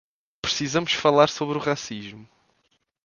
Precisamos falar sobre o racismo